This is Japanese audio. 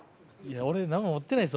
俺何も持ってないぞ。